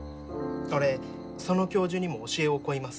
俺その教授にも教えを請います。